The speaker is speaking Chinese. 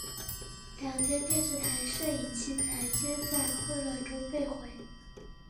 两间电视台摄影器材皆在混乱中被毁。